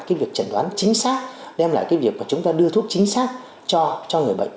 cái việc chẩn đoán chính xác đem lại cái việc mà chúng ta đưa thuốc chính xác cho người bệnh